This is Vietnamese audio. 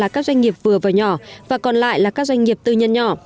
các doanh nghiệp vừa và nhỏ và còn lại là các doanh nghiệp tư nhân nhỏ